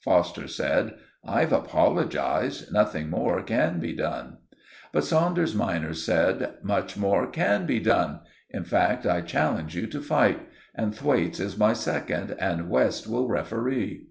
Foster said, "I've apologized. Nothing more can be done." But Saunders minor said, "Much more can be done. In fact, I challenge you to fight; and Thwaites is my second, and West will referee."